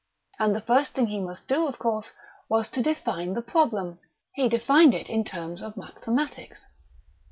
And the first thing he must do, of course, was to define the problem. He defined it in terms of mathematics.